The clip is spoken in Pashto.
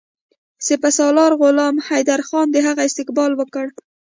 سپه سالار غلام حیدرخان د هغه استقبال وکړ.